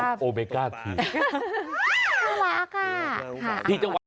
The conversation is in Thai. ชอบโอเบก้าที